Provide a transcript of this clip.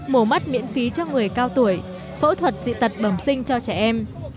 mổ mắt miễn phí cho người cao tuổi phẫu thuật dị tật bẩm sinh cho trẻ em